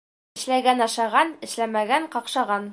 Эшләгән ашаған, эшләмәгән ҡаҡшаған.